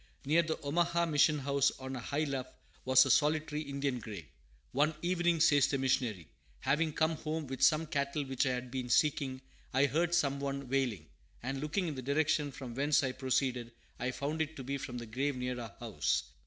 Near the Omaha mission house, on a high luff, was a solitary Indian grave. "One evening," says the missionary, "having come home with some cattle which I had been seeking, I heard some one wailing; and, looking in the direction from whence I proceeded, I found it to be from the grave near our house.